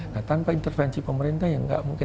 nah tanpa intervensi pemerintah ya nggak mungkin